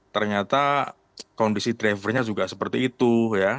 ternyata kondisi drivernya juga seperti itu ya